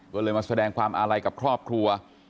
ก็เลยมาแสดงความอาลัยกับครอบครัว